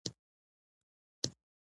که له بلاک ووځو نو جرمنان ډزې راباندې کوي